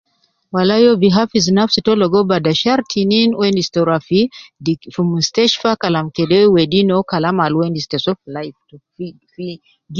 Walai uwo bi hafiz nafsi to ligo bada shar tinen uwo endis te rua fi dik, fi mustashtfa kalam kede wedi no kalam al uwo endis te soo fi life to, fi fi